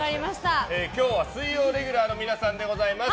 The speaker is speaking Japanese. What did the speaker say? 今日は水曜レギュラーの皆さんでございます。